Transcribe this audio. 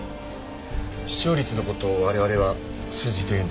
視聴率の事を我々は数字と言うんです。